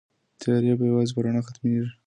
تيارې به يوازې په رڼا ختميږي.